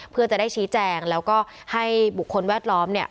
เพื่อจะได้ชี้แจงแล้วก็ให้บุคคลแวดล้อมเนี่ย